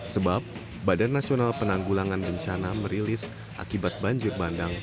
sebab badan nasional penanggulangan bencana merilis akibat banjir bandang